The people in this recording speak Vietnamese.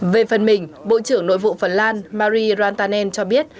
về phần mình bộ trưởng nội vụ phần lan marie rantanen cho biết